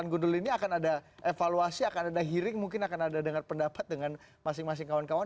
atau di dalam konten konten ini akan ada evaluasi akan ada hearing mungkin akan ada pendapat dengan masing masing kawan kawan